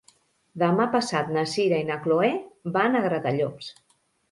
Demà passat na Sira i na Chloé van a Gratallops.